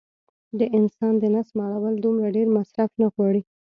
د انسان د نس مړول دومره ډېر مصرف نه غواړي